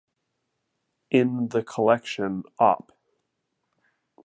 In the collection Op.